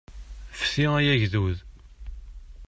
Fti ay agdud!